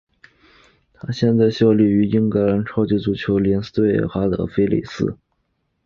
他现在效力于英格兰超级足球联赛球队哈德斯菲尔德。